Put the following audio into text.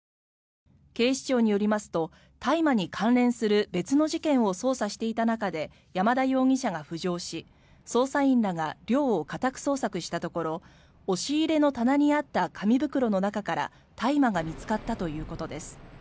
警視庁によりますと大麻に関連する別の事件を捜査していた中で山田容疑者が浮上し捜査員らが寮を家宅捜索したところ押し入れの棚にあった紙袋の中から大麻が見つかったということです。